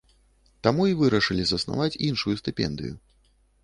Таму і вырашылі заснаваць іншую стыпендыю.